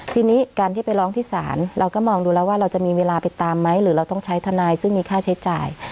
ทีนี้การที่ไปร้องที่ศาลเราก็มองดูแล้วว่าเราจะมีเวลาไปตามไหมหรือเราต้องใช้ทนายซึ่งมีค่าใช้จ่าย